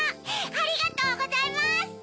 ありがとうございます！